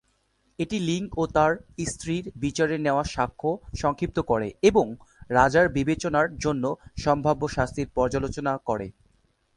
এটি লিংক ও তার স্ত্রীর বিচারে নেওয়া সাক্ষ্য সংক্ষিপ্ত করে এবং রাজার বিবেচনার জন্য সম্ভাব্য শাস্তির পর্যালোচনা করে।